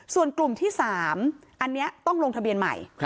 ส่วนกลุ่มที่๓อันนี้ต้องลงทะเบียนใหม่